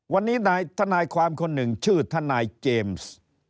วันนี้นายทนายความคนหนึ่งชื่อทนายเจมส์